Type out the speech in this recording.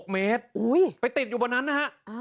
๖เมตรไปติดอยู่บนนั้นนะฮะ